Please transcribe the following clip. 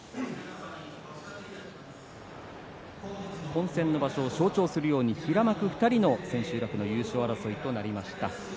混戦の場所を象徴するように平幕２人の優勝争い千秋楽となりました。